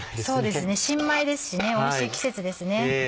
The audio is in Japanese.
そうですね新米ですしおいしい季節ですね。